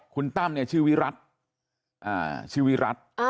คุณตั้มเนี่ยชื่อวิรัติชื่อวิรัติ